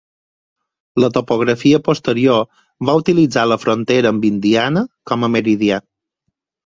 La topografia posterior va utilitzar la frontera amb Indiana com a meridià.